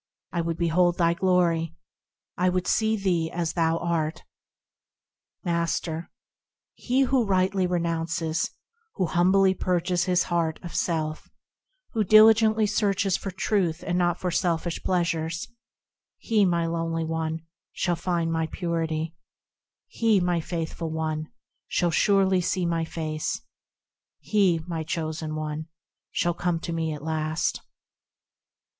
I would behold thy glory ; I would see thee as thou art. Master. He who rightly renounces, Who humbly purges his heart of self, Who diligently searches for Truth not for selfish pleasures, He, my lonely one, shall find my Purity ; He, my faithful one, shall surely see my face, He, my chosen one, shall come to me at last.